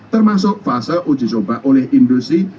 termasuk fase uji coba oleh industri